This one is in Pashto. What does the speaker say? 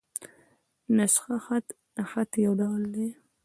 نسخ خط؛ د خط یو ډول دﺉ.